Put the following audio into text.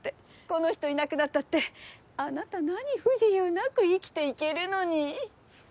この人いなくなったってあなた何不自由なく生きていけるのに。